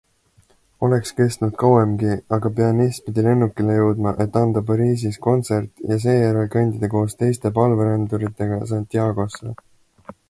Oleks kestnud kauemgi, aga pianist pidi lennukile jõudma, et anda Pariisis kontsert ja seejärel kõndida koos teiste palveränduritega Santiagosse.